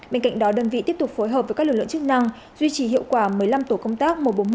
bên cạnh đó đơn vị tiếp tục phối hợp với các lực lượng chức năng duy trì hiệu quả một mươi năm tổ công tác một trăm bốn mươi một